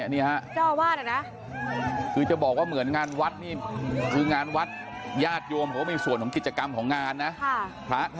นี่คือในกุฏิมาจับไมค์ด้วยนะ